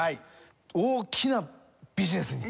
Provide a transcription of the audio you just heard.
大きなビジネスに！